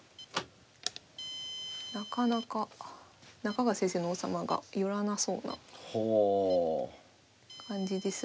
なかなか中川先生の王様が寄らなそうな感じですが。